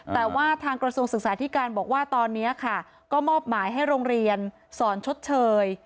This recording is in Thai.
แต่ว่าทางกระทรวงศึกษาธิการบอกว่าตอนนี้ค่ะก็มอบหมายให้โรงเรียนสอนชดเชย